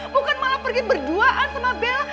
bukan malah pergi berduaan sama bella